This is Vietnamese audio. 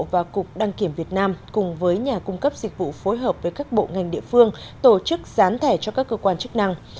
và cục đăng kiểm việt nam cùng với nhà cung cấp dịch vụ phối hợp với các bộ ngành địa phương tổ chức dán thẻ cho các cơ quan chức năng